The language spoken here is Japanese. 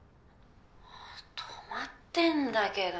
止まってんだけど。